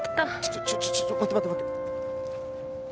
ちょちょちょちょ待って待って待って！